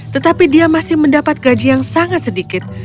tetapi dia masih mendapat gaji yang sangat sedikit